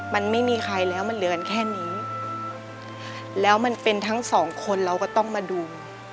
มันไม่มีใครแล้วมันเหลือกันแค่นี้แล้วมันเป็นทั้งสองคนเราก็ต้องมาดู